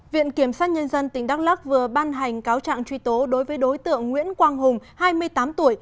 viện kiểm sát nhân dân tỉnh đắk lắc vừa ban hành cáo trạng truy tố đối với đối tượng nguyễn quang hùng hai mươi tám tuổi